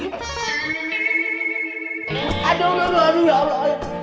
aduh aduh aduh ya allah